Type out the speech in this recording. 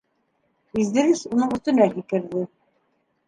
Иҙрис уның өҫтөнә һикерҙе.